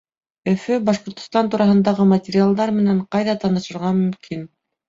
Өфө, Башҡортостан тураһындағы материалдар менән ҡайҙа танышырға мөмкин?